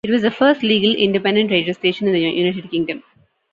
It was the first legal independent radio station in the United Kingdom.